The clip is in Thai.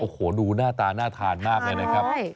โอ้โหดูหน้าตาน่าทานมากเลยนะครับ